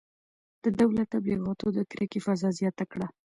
د دولت تبلیغاتو د کرکې فضا زیاته کړه.